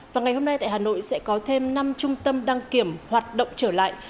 và ngày hôm nay tại hà nội sẽ có thêm năm trung tâm đăng kiểm hoạt động trở lại